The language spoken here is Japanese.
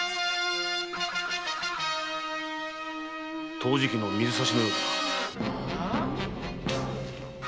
陶磁器の水差しのようだな。